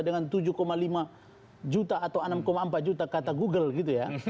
dengan tujuh lima juta atau enam empat juta kata google gitu ya